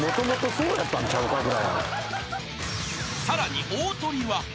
［さらに大トリは］